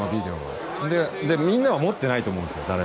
でみんなは持ってないと思うんすよ